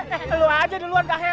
hehehe lu aja duluan ke akhirat